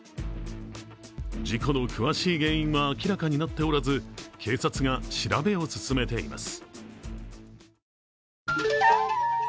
事故の詳しい原因は明らかになっておらず警察が調べを進めています。